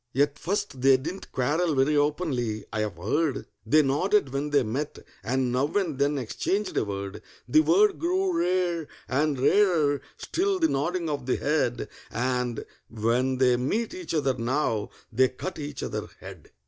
At first they didn't quarrel very openly, I've heard; They nodded when they met, and now and then exchanged a word: The word grew rare, and rarer still the nodding of the head, And when they meet each other now, they cut each other dead.